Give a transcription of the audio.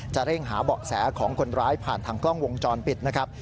เร่งหาเบาะแสของคนร้ายผ่านทางกล้องวงจรปิดนะครับ